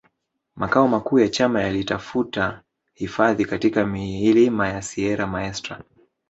Makao makuu ya chama yalitafuta hifadhi katika milima ya Sierra Maestra